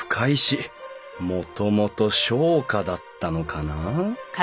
もともと商家だったのかな？